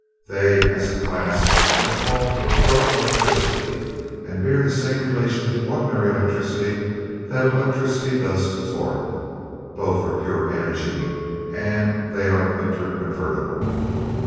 They as a class are called protelectricity, and bear the same relation to ordinary electricity that electricity does to torque both are pure energy, and they are inter convertible.